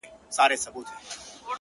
• بې وسلې وو وارخطا په زړه اوتر وو ,